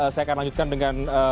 saya akan lanjutkan dengan